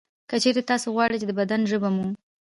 که چېرې تاسې غواړئ چې د بدن ژبه مو